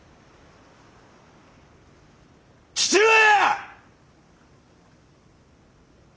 父上！